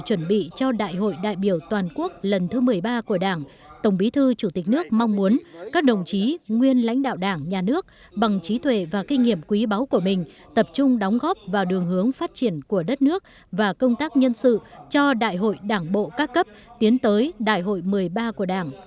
chuẩn bị cho đại hội đại biểu toàn quốc lần thứ một mươi ba của đảng tổng bí thư chủ tịch nước mong muốn các đồng chí nguyên lãnh đạo đảng nhà nước bằng trí tuệ và kinh nghiệm quý báu của mình tập trung đóng góp vào đường hướng phát triển của đất nước và công tác nhân sự cho đại hội đảng bộ các cấp tiến tới đại hội một mươi ba của đảng